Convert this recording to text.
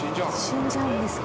死んじゃうんですか？